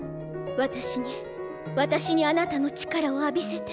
私に私にあなたの力を浴びせて。